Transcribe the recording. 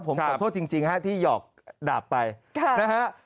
ผมขอโทษจริงฮะที่หยอกดาบไปนะฮะ